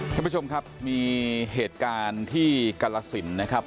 ท่านผู้ชมครับมีเหตุการณ์ที่กรสินนะครับ